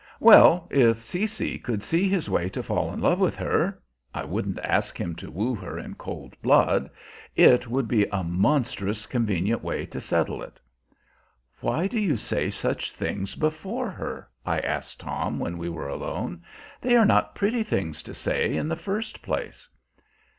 "Well, if Cecy could see his way to fall in love with her, I wouldn't ask him to woo her in cold blood, it would be a monstrous convenient way to settle it." "Why do you say such things before her?" I asked Tom when we were alone. "They are not pretty things to say, in the first place."